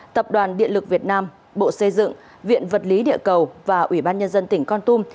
tập đoàn điện lực việt nam bộ xây dựng viện vật lý địa cầu và ủy ban nhân dân tỉnh con tum